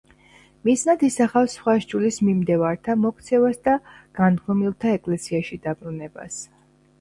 მიზნად ისახავს სხვა სჯულის მიმდევართა მოქცევას და განდგომილთა ეკლესიაში დაბრუნებას.